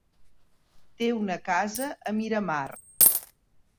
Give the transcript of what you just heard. Té una casa a Miramar.